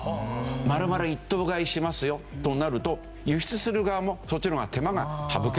丸々一頭買いしますよとなると輸出する側もそっちの方が手間が省けますよね。